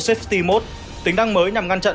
safety mode tính đăng mới nhằm ngăn chặn